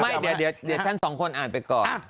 ไม่เดี๋ยวฉันสองคนอ่านไปก่อน